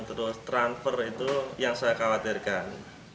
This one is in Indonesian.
terus transfer itu yang saya khawatirkan